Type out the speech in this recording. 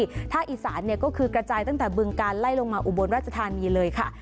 ที่ถ้าอีสานก็คือกระจายตั้งแต่บึงกาลไล่ลงมาอุบลราชธานีเลยค่ะ